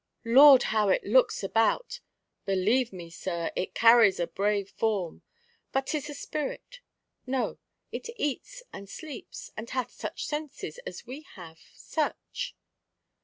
Lord, how it looks about ! Believe me, sir, It carries a brave form— but 'tis a spirit. No ! it eats and sleeps, And hath such senses as we have— such."